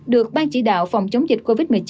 được ban chỉ đạo phòng chống dịch covid một mươi chín